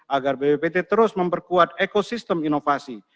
agar bppt terus memperkuat ekosistem inovasi